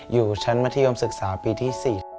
อยู่ชั้นมัธยมศึกษาปีที่๔